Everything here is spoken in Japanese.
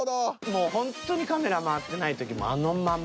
もうほんとにカメラ回ってない時もあのまま。